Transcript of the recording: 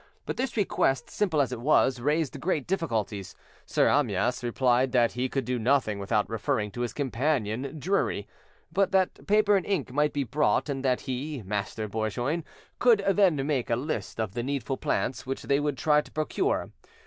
But this request, simple as it was, raised great difficulties. Sir Amyas replied that he could do nothing without referring to his companion, Drury; but that paper and ink might be brought, and that he, Master Bourgoin, could then make a list of the needful plants, which they would try to procure.